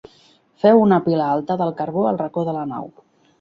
Feu una pila alta del carbó al racó de la nau.